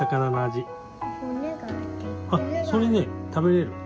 あっそれね食べれる。